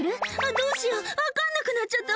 「どうしよう分かんなくなっちゃった」